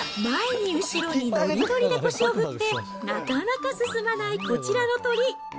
前に後ろに、のりのりで腰を振って、なかなか進まないこちらの鳥。